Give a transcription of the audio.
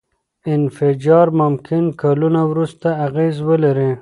انفجار ممکن کلونه وروسته اغېز ولري.